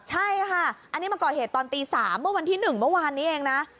ใช่ครับอันนี้มันเกาะเหตุตอน๓โมงวันที่๑เมื่อวานนี้เองนะ